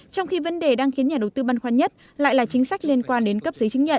trong khi vấn đề đang khiến nhà đầu tư băn khoăn nhất lại là chính sách liên quan đến cấp giấy chứng nhận